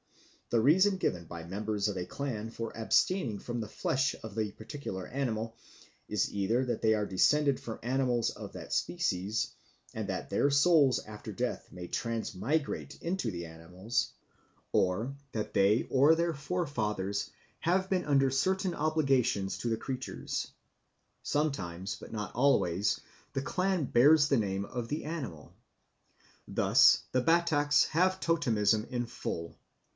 The reason given by members of a clan for abstaining from the flesh of the particular animal is either that they are descended from animals of that species, and that their souls after death may transmigrate into the animals, or that they or their forefathers have been under certain obligations to the creatures. Sometimes, but not always, the clan bears the name of the animal. Thus the Bataks have totemism in full.